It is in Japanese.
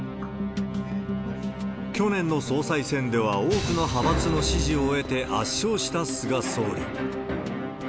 去年の総裁選では、多くの派閥の支持を得て、圧勝した菅総理。